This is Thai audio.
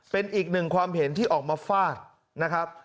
เป็นอีกหนึ่งความเห็นที่ออกมาฟาดนะครับ